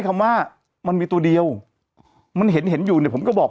คำว่ามันมีตัวเดียวมันเห็นเห็นอยู่เนี่ยผมก็บอก